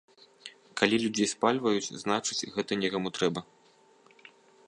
Калі людзей спальваюць, значыць, гэта некаму трэба?